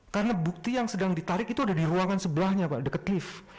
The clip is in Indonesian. karena bukti yang sedang ditarik itu ada di ruangan sebelahnya pak deket lift